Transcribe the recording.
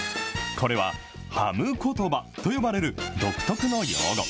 これは、ハムことばと呼ばれる独特の用語。